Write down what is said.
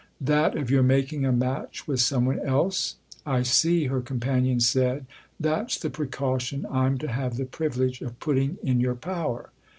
" That of your making a match with some one else ? I see," her companion said. " That's the precaution I'm to have the privilege of putting in your power."